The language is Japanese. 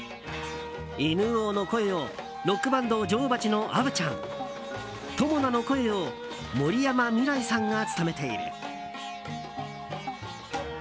犬王の声をロックバンド女王蜂のアヴちゃん友魚の声を森山未來さんが務めている。